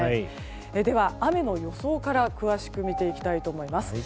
では、雨の予想から詳しく見ていきたいと思います。